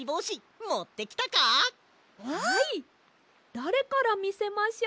だれからみせましょう？